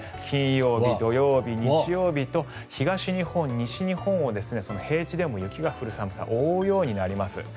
金曜日、土曜日、日曜日と東日本、西日本を平地でも雪が降る寒さが覆うようになります。